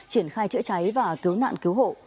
triển khai chữa cháy và cứu nạn cứu hộ